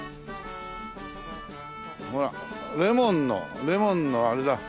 ほらレモンのレモンのあれだ。